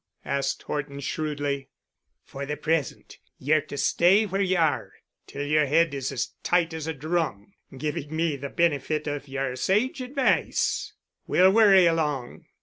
asked Horton shrewdly. "For the present ye're to stay where ye are, till yer head is as tight as a drum, giving me the benefit of yer sage advice. We'll worry along.